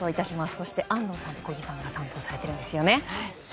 そして、安藤さんと小木さんが担当されてるんですよね。